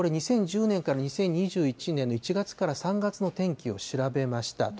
２０１０年から２０２１年の１月から３月の天気を調べました。